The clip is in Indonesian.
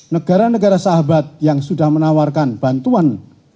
negara negara sahabat yang sudah menawarkan bantuan